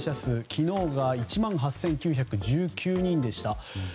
昨日が１万８９１９人でした。